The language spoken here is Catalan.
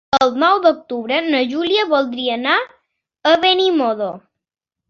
El nou d'octubre na Júlia voldria anar a Benimodo.